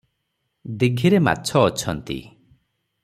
ଦୀଘିରେ ମାଛ ଅଛନ୍ତି ।